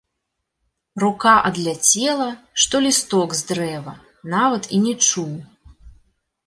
Рука адляцела, што лісток з дрэва, нават і не чуў.